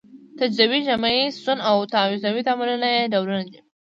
تجزیوي، جمعي، سون او تعویضي تعاملونه یې ډولونه دي.